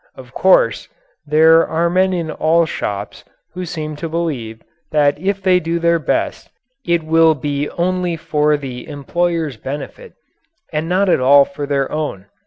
Of course there are men in all shops who seem to believe that if they do their best, it will be only for the employer's benefit and not at all for their own.